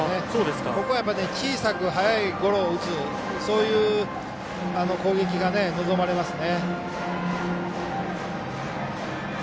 ここはやっぱり小さく速いゴロを打つそういう攻撃が望まれますね。